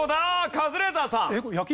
カズレーザーさん。